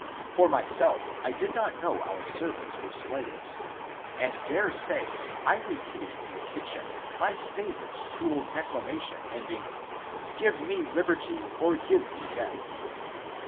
For myself I did not know our servants were slaves, and dare say I repeated in the kitchen my favourite school declamation ending " Give me Liberty or give me Death